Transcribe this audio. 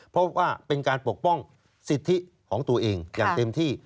เพราะว่าเป็นการปกป้องสิทธิของตัวเองอย่างเต็มที่